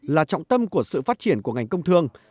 là trọng tâm của sự phát triển của ngành công thương